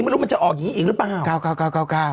ไม่รู้มันจะออกอย่างนี้อีกหรือเปล่า